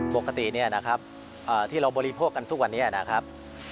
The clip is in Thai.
ปกติที่เราบริโภคกันทุกวันนี้นะครับ